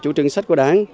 chủ trương sách của đáng